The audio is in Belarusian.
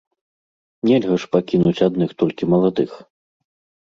Нельга ж пакінуць адных толькі маладых.